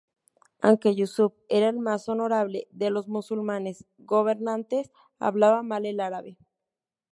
Aunque Yúsuf era el más honorable de los musulmanes gobernantes, hablaba mal el árabe.